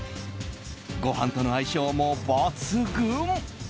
ご飯との相性も抜群。